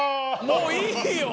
もういいよ！